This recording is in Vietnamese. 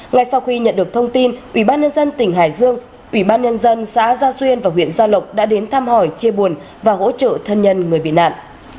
ngay sau khi nhận được thông tin ủy ban nhân dân tỉnh hải dương ủy ban nhân dân xã gia xuyên và huyện gia lộc đã đến thăm hỏi chia buồn và hỗ trợ thân nhân người bị nạn